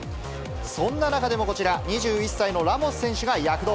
そんな中でもこちら、２１歳のラモス選手が躍動。